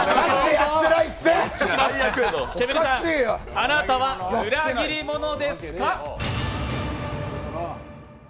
あなたは裏切り者ですか？